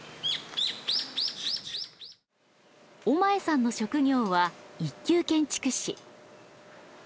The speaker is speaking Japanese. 尾前さんの職業は一級建築士。